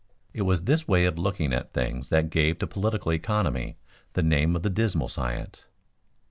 It was this way of looking at things that gave to political economy the name of the dismal science.